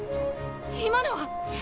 今のは！？